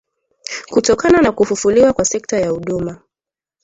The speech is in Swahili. kutokana na kufufuliwa kwa sekta ya huduma